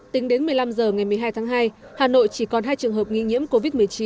tính đến một mươi năm h ngày một mươi hai tháng hai hà nội chỉ còn hai trường hợp nghi nhiễm covid một mươi chín